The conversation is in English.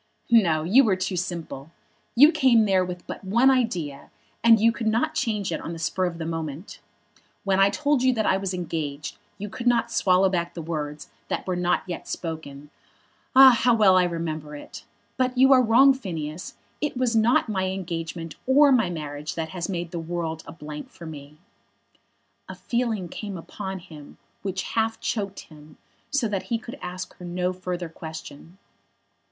"No; you were too simple. You came there with but one idea, and you could not change it on the spur of the moment. When I told you that I was engaged you could not swallow back the words that were not yet spoken. Ah, how well I remember it. But you are wrong, Phineas. It was not my engagement or my marriage that has made the world a blank for me." A feeling came upon him which half choked him, so that he could ask her no further question.